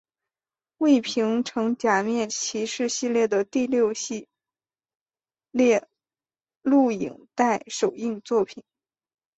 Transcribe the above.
为平成假面骑士系列的第六系列录影带首映作品。